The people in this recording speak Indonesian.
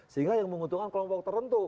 sehingga yang menguntungkan kelompok tertentu